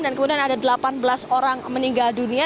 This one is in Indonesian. dan kemudian ada delapan belas orang meninggal dunia